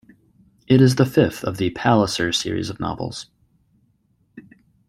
It is the fifth of the "Palliser" series of novels.